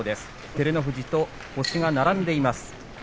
照ノ富士と星が並んでいます。